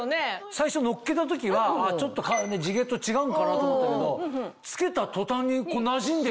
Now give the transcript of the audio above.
最初乗っけた時はちょっと地毛と違うのかなと思ったけど着けた途端になじんで。